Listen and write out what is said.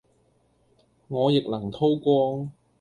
我亦能叨光